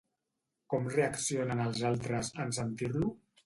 Com reaccionen els altres, en sentir-lo?